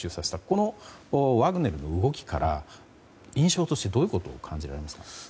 このワグネルの動きから印象として、どういうことを感じられますか？